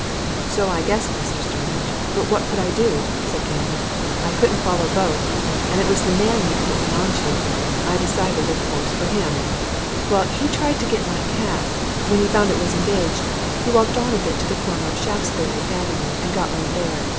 "So I guessed, Mr. Starmidge, but what could I do?" said Gandam. "I couldn't follow both, and it was the man you'd put me on to. I decided, of course, for him. Well he tried to get my cab; when he found it was engaged, he walked on a bit to the corner of Shaftesbury Avenue and got one there.